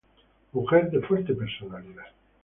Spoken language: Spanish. Mujer de fuerte personalidad.